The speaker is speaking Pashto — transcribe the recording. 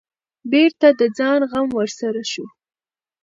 بېرته د ځان غم ورسره شو.